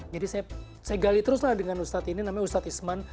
jadi saya gali terus lah dengan ustadz ini namanya ustadz isman